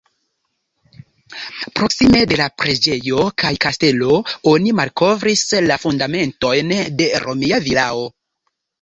Proksime de la preĝejo kaj kastelo oni malkovris la fundamentojn de romia vilao.